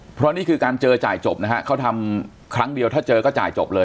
เพราะนี่คือการเจอจ่ายจบนะฮะเขาทำครั้งเดียวถ้าเจอก็จ่ายจบเลย